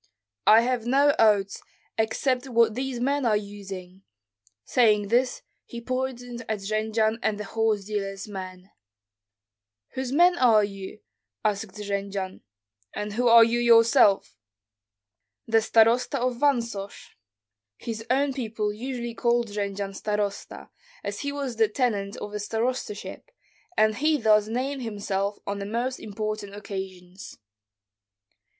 "I have no oats, except what these men are using." Saying this, he pointed at Jendzian and the horse dealer's men. "Whose men are you?" asked Jendzian. "And who are you yourself?" "The starosta of Vansosh." His own people usually called Jendzian starosta, as he was the tenant of a starostaship, and he thus named himself on the most important occasions.